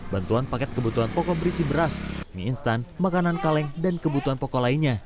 bantuan paket kebutuhan pokok berisi beras mie instan makanan kaleng dan kebutuhan pokok lainnya